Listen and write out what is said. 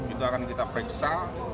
itu akan kita periksa